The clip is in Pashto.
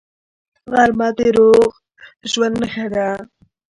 غرمه د روغ ژوند نښه ده